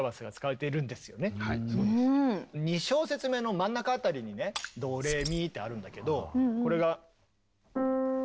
２小節目の真ん中あたりにねドレミってあるんだけどこれが。